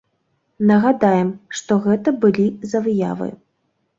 Нагадаем, што гэта былі за выявы.